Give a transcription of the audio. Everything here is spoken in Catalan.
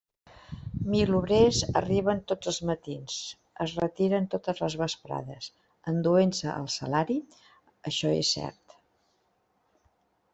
Mil obrers arriben tots els matins, es retiren totes les vesprades, enduent-se el salari, això és cert.